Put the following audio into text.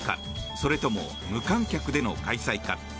それとも、無観客での開催か。